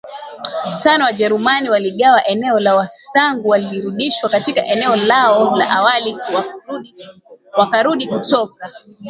tano Wajerumani waligawa eneo lao Wasangu walirudishwa katika eneo lao la awali wakarudi kutoka